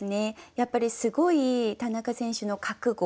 やっぱりすごい田中選手の覚悟